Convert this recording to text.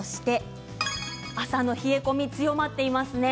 朝の冷え込み強まっていますね。